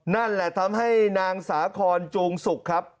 นั่นแหละทำให้นางสาคอนจูงสุกครับ